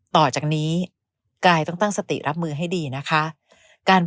ต่อจากนี้กายต้องตั้งสติรับมือให้ดีนะคะ